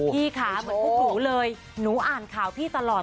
พี่ค่ะเหมือนพวกหนูเลยหนูอ่านข่าวพี่ตลอด